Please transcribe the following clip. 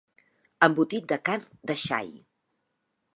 Embotit de carn de xai.